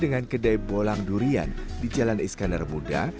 dengan kedai bolang durian di jalan iskandar muda